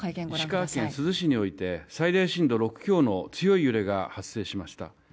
石川県珠洲市において最大震度６強の強い揺れが発生しました。